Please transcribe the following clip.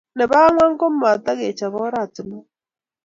nebo angwan ko matogechop orantiwek